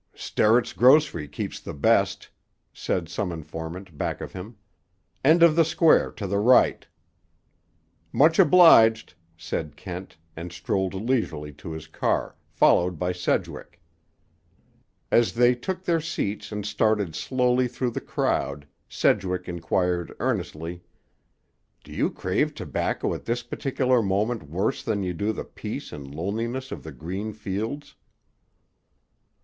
"Sterrett's grocery keeps the best," said some informant back of him. "End of the Square to the right." "Much obliged," said Kent, and strolled leisurely to his car, followed by Sedgwick. As they took their seats and started slowly through the crowd, Sedgwick inquired earnestly: "Do you crave tobacco at this particular moment worse than you do the peace and loneliness of the green fields?"